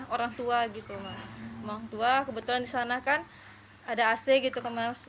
orang tua gitu kebetulan di sana kan ada ac gitu kan mas